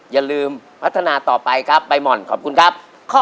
อย่าลืมพัฒนาต่อไปครับ